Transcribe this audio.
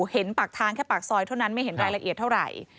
เห็นปากทางแค่ปากซอยเท่านั้นไม่เห็นรายละเอียดเท่าไหร่